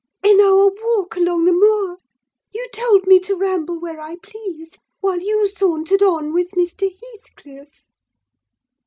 "In our walk along the moor: you told me to ramble where I pleased, while you sauntered on with Mr. Heathcliff!"